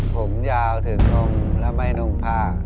ผมยาวถึงน้องละไม่นุ่งผ้า